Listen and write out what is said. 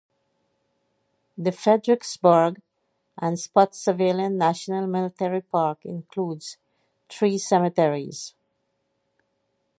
The Fredericksburg and Spotsylvania National Military Park includes three cemeteries.